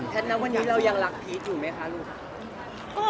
ณวันนี้เรายังรักพีชอยู่ไหมคะลูก